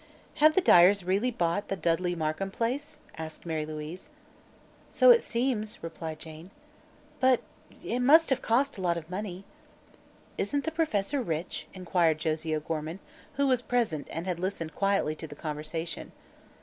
"Have the Dyers really bought the Dudley Markham place?" asked Mary Louise. "So it seems," replied Jane. "But 'it must have cost a lot of money." "Isn't the Professor rich?" inquired Josie O'Gorman, who was present and had listened quietly to the conversation.